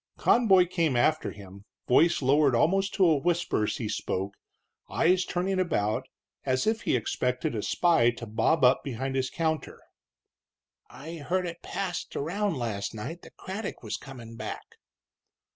Conboy came after him, voice lowered almost to a whisper as he spoke, eyes turning about as if he expected a spy to bob up behind his counter. "I heard it passed around late last night that Craddock was comin' back."